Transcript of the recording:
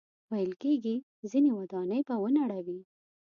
ویل کېږي ځینې ودانۍ به ونړوي.